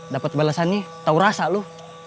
dapet balesannya tau rasa lu